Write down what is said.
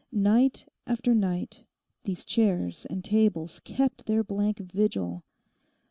Night after night these chairs and tables kept their blank vigil.